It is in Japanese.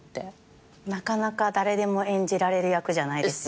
なかなか誰でも演じられる役じゃないですよね。